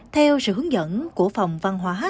theo sự hướng dẫn của phòng văn hóa